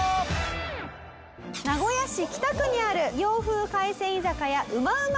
名古屋市北区にある洋風海鮮居酒屋うまうま